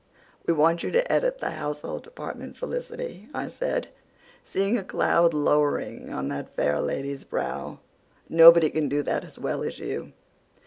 "We want you to edit the household department, Felicity," I said, seeing a cloud lowering on that fair lady's brow. "Nobody can do that as well as you.